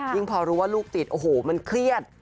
พอรู้ว่าลูกติดโอ้โหมันเครียด